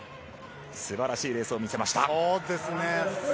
素晴らしいレースを見せました。